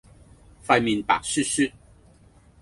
塊面白雪雪